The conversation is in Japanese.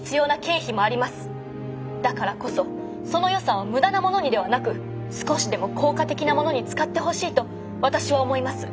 だからこそその予算を無駄なものにではなく少しでも効果的なものに使ってほしいと私は思います。